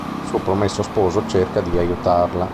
Il suo promesso sposo cerca di aiutarla.